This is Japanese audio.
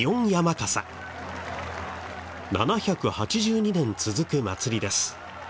７８２年続く祭りです。